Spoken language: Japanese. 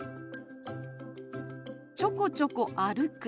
「ちょこちょこ歩く」。